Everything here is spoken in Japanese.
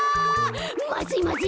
まずいまずい！